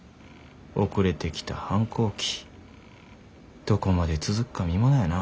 遅れてきた反抗期どこまで続くか見ものやな。